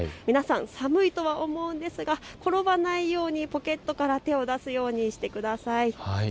皆さん、寒いと思うんですが転ばないようにポケットから手を出すようにしてください。